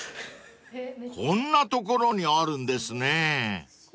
［こんな所にあるんですね］